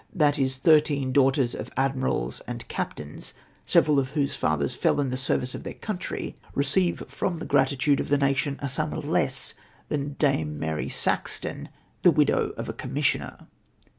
That is thirteen daughters of admirals and cap tains, several of whose fathers fell in the service of their country, receive from the gratitude of the nation a sum less than Dame Mary Sa.vton, the widovj of a corariiissioner.